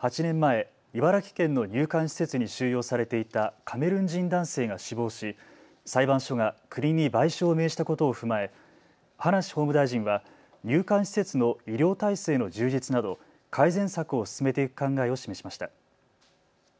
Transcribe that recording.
８年前、茨城県の入管施設に収容されていたカメルーン人男性が死亡し裁判所が国に賠償を命じたことを踏まえ、葉梨法務大臣は入管施設の医療体制の充実など改善策を進めていく考えを示しました。